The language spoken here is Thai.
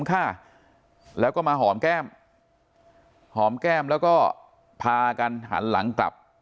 ค่ะแล้วก็มาหอมแก้มหอมแก้มแล้วก็พากันหันหลังกลับ